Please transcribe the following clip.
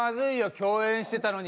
共演してたのに。